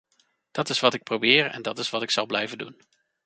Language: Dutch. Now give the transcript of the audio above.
Dat is wat ik probeer, en dat is wat ik zal blijven doen.